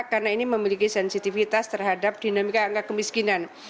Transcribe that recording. karena ini memiliki sensitivitas terhadap dinamika angka kemiskinan